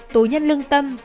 tố nhân lương tâm